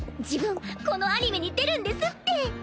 自分このアニメに出るんですって。